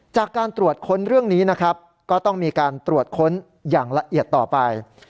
จากการตรวจค้นเรื่องนี้นะครับก็ต้องมีการตรวจค้นอย่างละเอียดต่อไป